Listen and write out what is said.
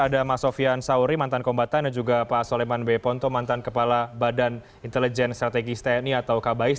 ada mas sofian sauri mantan kombatan dan juga pak soleman b ponto mantan kepala badan intelijen strategis tni atau kabais